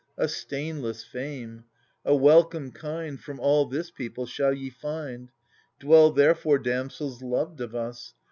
A stainless fame, a welcome kind From all this people shall ye find : Dwell therefore, damsels, loved of us.